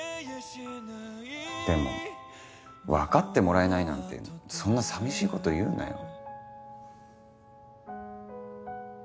でも分かってもらえないなんてそんなさみしいこと言うなよ。